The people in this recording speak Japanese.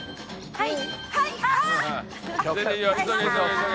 はい！